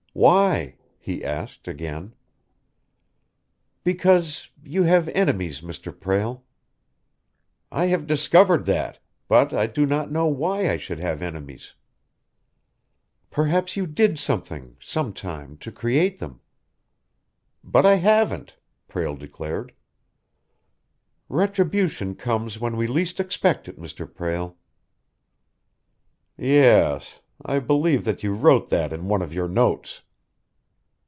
"Why?" he asked, again. "Because you have enemies, Mr. Prale!" "I have discovered that; but I do not know why I should have enemies." "Perhaps you did something, some time, to create them." "But I haven't," Prale declared. "Retribution comes when we least expect it, Mr. Prale." "Yes. I believe that you wrote that in one of your notes."